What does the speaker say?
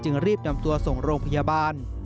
รีบนำตัวส่งโรงพยาบาล